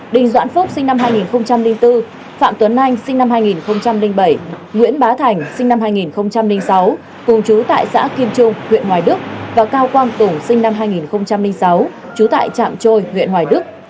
đình doãn phúc sinh năm hai nghìn bốn phạm tuấn anh sinh năm hai nghìn bảy nguyễn bá thành sinh năm hai nghìn sáu cùng chú tại xã kim trung huyện hoài đức và cao quang tùng sinh năm hai nghìn sáu trú tại trạm trôi huyện hoài đức